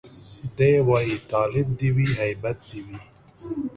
دی وايي تالب دي وي هيبت دي وي